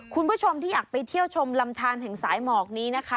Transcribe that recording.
คุณผู้ชมที่อยากไปเที่ยวชมลำทานแห่งสายหมอกนี้นะคะ